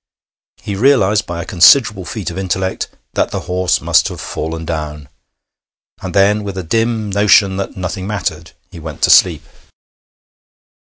He realized, by a considerable feat of intellect, that the horse must have fallen down; and then, with a dim notion that nothing mattered, he went to sleep.